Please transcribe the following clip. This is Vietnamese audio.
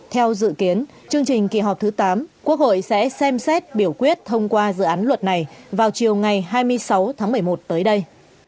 theo dự kiến chương trình kỳ họp thứ tám quốc hội sẽ xem xét biểu quyết thông qua dự án luật này vào chiều ngày hai mươi sáu tháng một mươi một tới đây